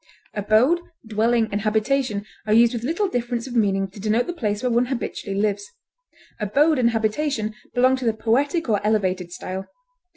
Abode, dwelling, and habitation are used with little difference of meaning to denote the place where one habitually lives; abode and habitation belong to the poetic or elevated style.